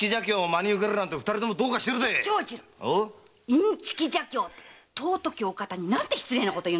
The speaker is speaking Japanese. インチキ邪教なんて尊きお方に何て失礼なことを！